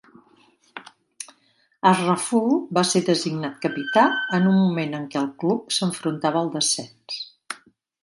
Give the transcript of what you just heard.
Ashraful va ser designat capità en un moment en què el club s'enfrontava el descens.